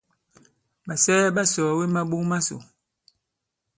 Ɓàsɛɛ ɓa sɔ̀ɔ̀we maɓok masò.